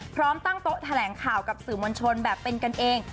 พร้อมตั้งโต๊ะแถลงข่าวกับสื่อมวลชนแบบเป็นกันเอง